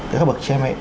các bậc cha mẹ